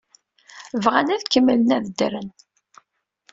Bɣan ad kemmlen ad ddren.